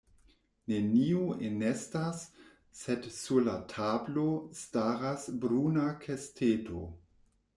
Neniu enestas, sed sur la tablo staras bruna kesteto.